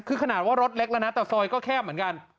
คือขนาดว่ารถเล็กแล้วนะแต่ซอยก็แคบเหมือนกัน